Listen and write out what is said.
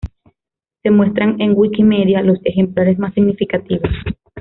Se muestran en wikimedia los ejemplares más significativos.